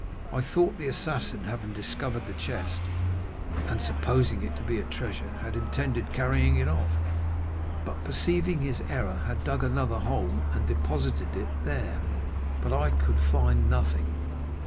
I thought the assassin, having discovered the chest, and supposing it to be a treasure, had intended carrying it off, but, perceiving his error, had dug another hole, and deposited it there; but I could find nothing.